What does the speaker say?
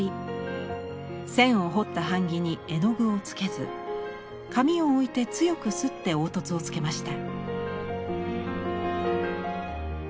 線を彫った版木に絵の具をつけず紙を置いて強く摺って凹凸をつけました。